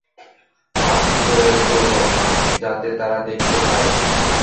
হাত উপরে তোল যাতে তারা দেখতে পায়।